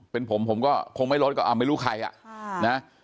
เป็นผมผมก็คงไม่ลดก็ไม่รู้ใครอ่ะนะ